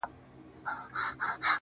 توکل وطنه ستا یو ګمنام یاغی دی